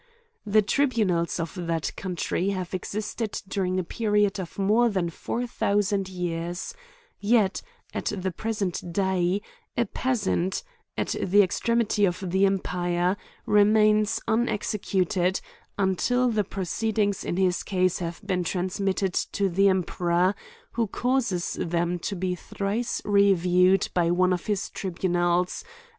The tribunals of that country have existed dur ing a period of more than four thousand years ; yet, at the present day, a peasant, at the ex tremity of the empire, remains unexecuted, until the proceedings in his case have been transmitted to the emperor, who causes them to be thrice reviewed by one of his tribunals; * The beheader. CREVIES AND PUNISHIMENTS.